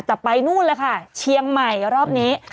แต่ไปนู่นเลยค่ะเชียงใหม่รอบนี้